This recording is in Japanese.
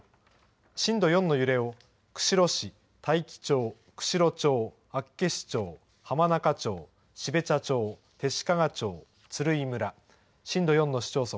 震度４の揺れを、釧路市、大樹町、釧路町、厚岸町、浜中町、標茶町、弟子屈町、鶴居村、震度４の市町村。